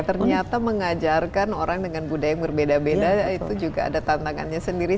ternyata mengajarkan orang dengan budaya yang berbeda beda itu juga ada tantangannya sendiri